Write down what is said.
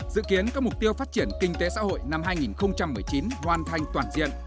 dự kiến các mục tiêu phát triển kinh tế xã hội năm hai nghìn một mươi chín hoàn thành toàn diện